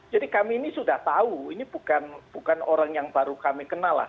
jadi kami ini sudah tahu ini bukan orang yang baru kami kenal lah